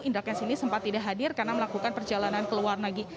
indra kents ini sempat tidak hadir karena melakukan perjalanan keluar lagi